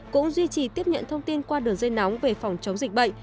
cũng duy trì tiếp nhận thông tin qua đường dây nóng về phòng chống dịch bệnh